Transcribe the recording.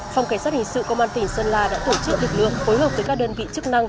phòng cảnh sát hình sự công an tỉnh sơn la đã tổ chức lực lượng phối hợp với các đơn vị chức năng